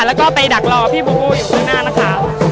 แล้วก็ไปดักรอพี่บูบูอยู่ข้างหน้านะคะ